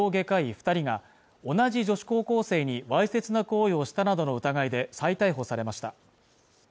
二人が同じ女子高校生にわいせつな行為をしたなどの疑いで再逮捕されました